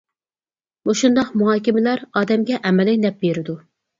مۇشۇنداق مۇھاكىمىلەر ئادەمگە ئەمەلىي نەپ بېرىدۇ.